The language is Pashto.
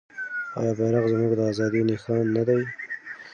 آیا بیرغ زموږ د ازادۍ نښان نه دی؟